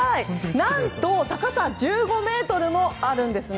何と高さ１５ｍもあるんですね。